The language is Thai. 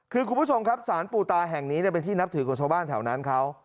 คือคุณผู้ชมครับสารปูตาแห่งนี้เป็นที่นับถือของชาวบ้านแถวนั้นเขา